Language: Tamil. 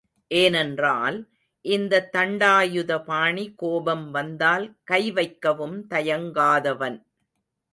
ஏனென்றால், இந்த தண்டாயுதபாணி கோபம் வந்தால் கை வைக்கவும் தயங்காதவன்.